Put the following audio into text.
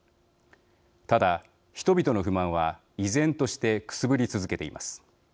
ただ、人々の不満は依然としてくすぶり続けています。